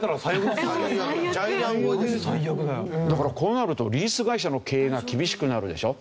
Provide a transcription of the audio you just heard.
だからこうなるとリース会社の経営が厳しくなるでしょ。